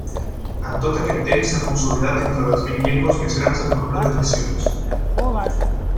En tot aquest temps s'ha consolidat entre les vint llengües més grans en nombre d'edicions.